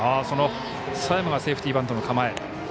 その佐山がセーフティーバントの構え。